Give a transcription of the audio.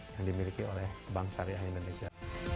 yang dimiliki oleh bank syariah indonesia